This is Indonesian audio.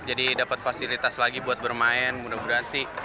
jadi dapat fasilitas lagi buat bermain mudah mudahan sih